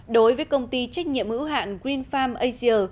đối với công ty trách nhiệm hữu hạn green farm asia